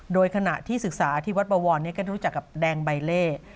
โดยขณะที่ศึกษาที่วัดบวรก็รู้จักกับแดงใบเล่